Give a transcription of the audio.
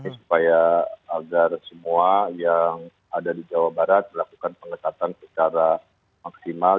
supaya agar semua yang ada di jawa barat melakukan pengetatan secara maksimal